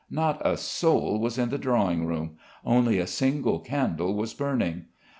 Not a soul was in the drawing room. Only a single candle was burning.